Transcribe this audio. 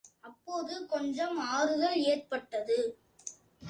அப்போது கொஞ்சம் ஆறுதல் ஏற்பட்டது.